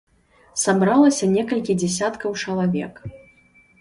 Сабралася некалькі дзясяткаў чалавек.